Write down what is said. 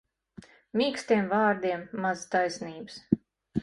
Mīkstiem vārdiem maz taisnības.